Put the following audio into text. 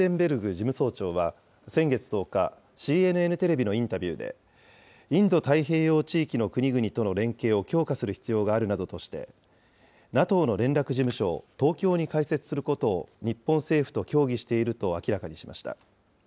事務総長は、先月１０日、ＣＮＮテレビのインタビューで、インド太平洋地域の国々との連携を強化する必要があるなどとして、ＮＡＴＯの連絡事務所を、東京に開設することを日本政府と協議していると明らかにしました。